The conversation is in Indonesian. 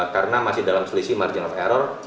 karena masih dalam selisih margin of error